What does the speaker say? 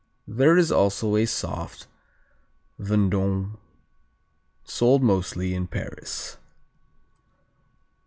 There is also a soft Vendôme sold mostly in Paris.